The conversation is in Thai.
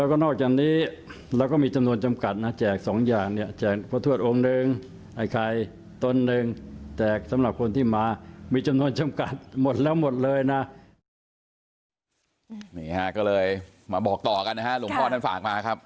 ก็เลยมาบอกต่อกันนะครับหลวงพ่อฝากมาครับ